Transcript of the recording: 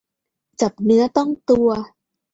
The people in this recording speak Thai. จับเนื้อต้องตัว